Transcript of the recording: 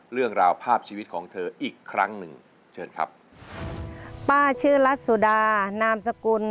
เรื่องราวภาพชีวิตของเธออีกครั้งนึง